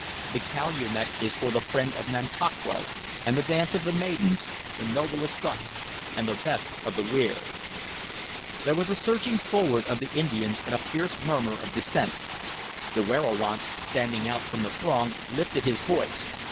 The calumet is for the friend of Nantauquas, and the dance of the maidens, the noblest buck and the best of the weirs" There was a surging forward of the Indians, and a fierce murmur of dissent. The werowance, standing out from the throng, lifted his voice.